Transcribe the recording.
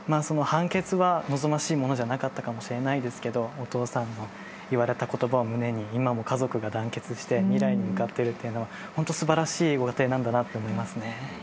判決は望ましいものじゃなかったかもしれないですけどお父さんの言われた言葉を胸に今も家族が団結して未来に向かってるというのはホント素晴らしいご家庭なんだなと思いますね。